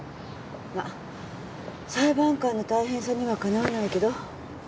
まあ裁判官の大変さにはかなわないけど。